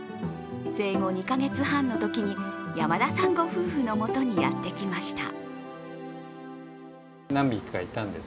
生後２か月半のときに、山田さんご夫婦のもとにやってきました。